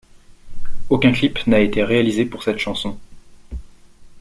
Aucun clip n'a été réalisé pour cette chanson.